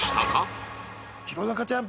弘中ちゃん